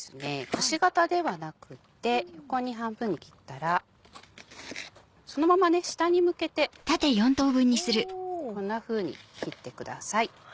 くし形ではなくて横に半分に切ったらそのまま下に向けてこんなふうに切ってください。